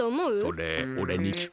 それおれにきく？